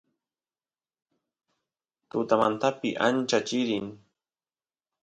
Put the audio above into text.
tutamantapi ancha chirin